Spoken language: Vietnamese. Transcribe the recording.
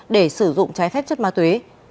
để sử dụng trái phép chất ma túy